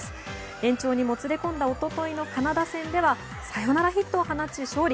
延長にもつれ込んだ一昨日のカナダ戦ではサヨナラヒットを放ち勝利。